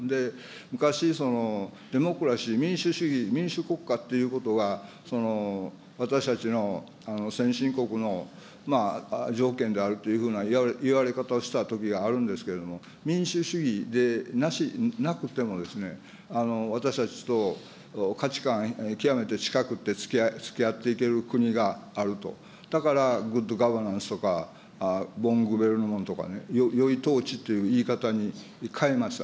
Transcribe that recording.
昔、デモクラシー、民主主義、民主国家ということが、私たちの先進国の条件であるっていうふうな言われ方をしたときがあるんですけれども、民主主義でなくても、私たちと価値観、極めて近くてつきあっていける国があると、だからグッドガバナンスとか、とかよい統治という言い方に変えました。